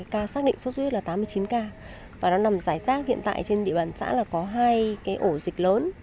cá xác định suất huyết là tám mươi chín ca và nó nằm giải rác hiện tại trên địa bàn xã là có hai ổ dịch lớn